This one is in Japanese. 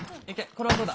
これはどうだ！